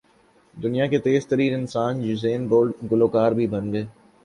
دنیا کے تیز ترین انسان یوسین بولٹ گلو کار بھی بن گئے